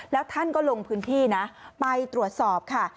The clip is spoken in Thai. แล้วท่านก็ลงพื้นที่นะไปตรวจสอบค่ะ